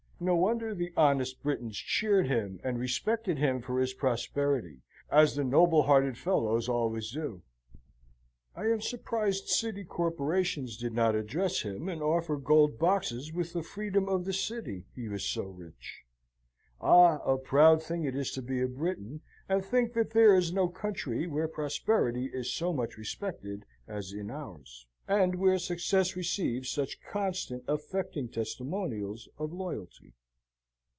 No wonder the honest Britons cheered him and respected him for his prosperity, as the noble hearted fellows always do. I am surprised city corporations did not address him, and offer gold boxes with the freedom of the city he was so rich. Ah, a proud thing it is to be a Briton, and think that there is no country where prosperity is so much respected as in ours; and where success receives such constant affecting testimonials of loyalty!